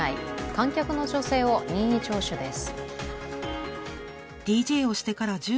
観客の女性を任意聴取です。